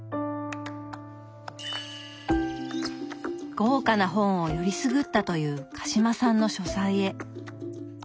豪華な本をよりすぐったという鹿島さんの書斎へ。